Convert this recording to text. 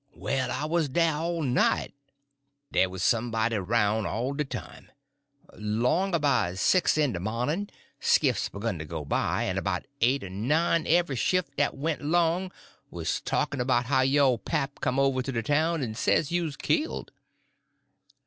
Well, I wuz dah all night. Dey wuz somebody roun' all de time. 'Long 'bout six in de mawnin' skifts begin to go by, en 'bout eight er nine every skift dat went 'long wuz talkin' 'bout how yo' pap come over to de town en say you's killed.